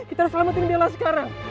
kita selamatin bella sekarang